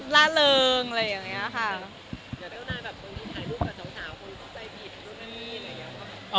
ล่าเริงอะไรอย่างเงี้ยค่ะ